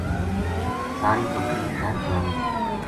سار ی بکری خیر خرامی تھی